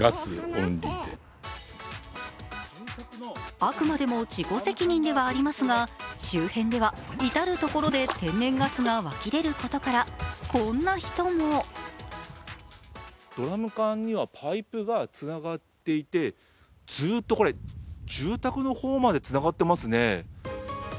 あくまでも自己責任ではありますが周辺では至る所で天然ガスが湧き出ることから、こんな人もドラム缶にはパイプがつながっていてずーっと住宅の方までつながっていますね。